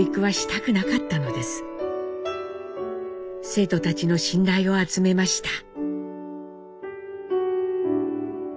生徒たちの信頼を集めました。